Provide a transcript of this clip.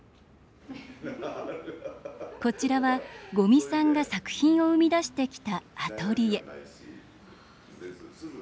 こちらは五味さんが作品を生み出してきたアトリエ。